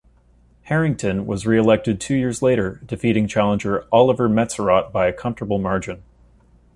Harrington was re-elected two years later, defeating challenger Oliver Metzerott by a comfortable margin.